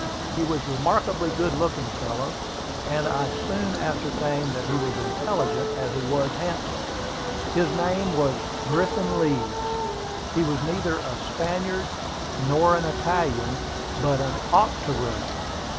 He was a remarkably good looking fellow, and I soon ascertained that he was as intelligent as he was handsome. His name was Griffin Leeds. He was neither a Spaniard nor an Italian, but an octoroon.